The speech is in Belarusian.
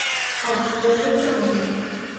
Ах, як жа цёмненька!